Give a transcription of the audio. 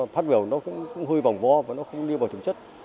phát biểu nó cũng hơi bỏng vo và nó không đi vào thực chất